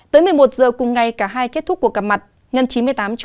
tới một mươi một giờ cùng ngày cả hai kết thúc cuộc gặp mặt